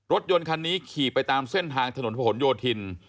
รถยนต์คันนี้ขี่ไปตามเส้นทางถนนผนโยธิน